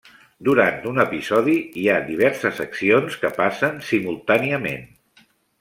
Durant un episodi, hi ha diverses accions que passen simultàniament.